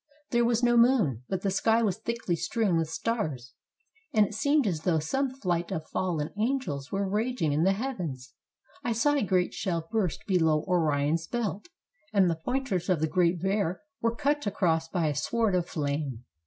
There was no moon, but the sky was thickly strewn with stars, and it seemed as though some flight of fallen angels were raging in the heavens. I saw a great shell burst below Orion's belt, and the point ers of the Great Bear were cut across by a sword of flame.